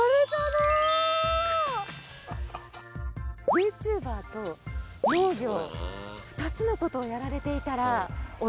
ＹｏｕＴｕｂｅｒと農業２つの事をやられていたらお忙しいですよね？